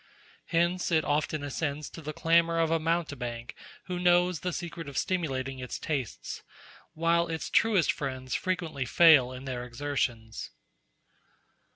Hence it often assents to the clamor of a mountebank who knows the secret of stimulating its tastes, while its truest friends frequently fail in their exertions.